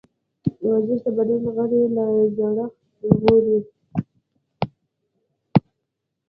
ورزش د بدن غړي له زړښت ژغوري.